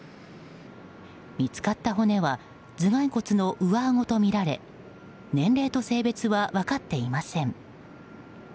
見つかった骨は頭蓋骨の上あごとみられ年齢と性別は分かっていません。